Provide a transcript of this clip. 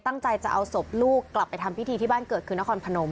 ตั้งใจจะเอาศพลูกกลับไปทำพิธีที่บ้านเกิดคือนครพนม